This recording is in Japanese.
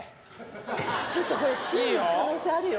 ちょっとこれＣの可能性あるよ